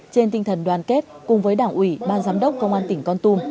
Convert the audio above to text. trên tinh thần đoàn kết cùng với đảng ủy ban giám đốc công an tỉnh con tum